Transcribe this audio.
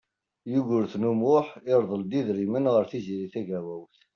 Yugurten U Muḥ irḍel-d idrimen ɣer Tiziri Tagawawt.